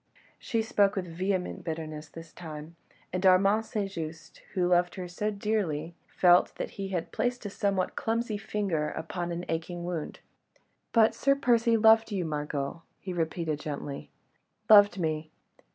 She spoke with vehement bitterness this time, and Armand St. Just, who loved her so dearly, felt that he had placed a somewhat clumsy finger upon an aching wound. "But Sir Percy loved you, Margot," he repeated gently. "Loved me?